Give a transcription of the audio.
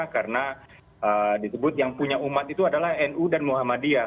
karena disebut yang punya umat itu adalah nu dan muhammadiyah